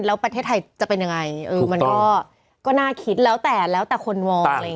แล้วประเทศไทยจะเป็นยังไงมันก็น่าคิดแล้วแต่คนมอง